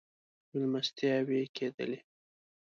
مېلمستیاوې کېدلې.